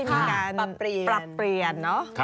มีการปรับเปลี่ยน